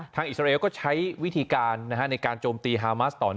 อิสราเอลก็ใช้วิธีการในการโจมตีฮามาสตอน